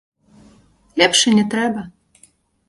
Лепш і не трэба.